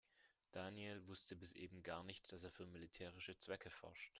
Daniel wusste bis eben gar nicht, dass er für militärische Zwecke forscht.